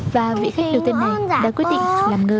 và vị khách đưa tên này đã quyết định làm ngơ